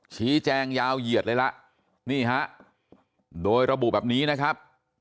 ชี้แจงยาวเหยียดเลยละนี่ฮะโดยระบุแบบนี้นะครับ